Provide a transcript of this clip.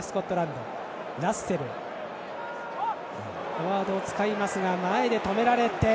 フォワードを使いますが前で止められて。